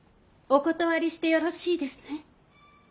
お断りしてよろしいですね。